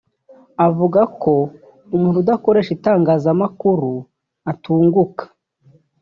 avuga ko umuntu udakoresha itangazamakuru atunguka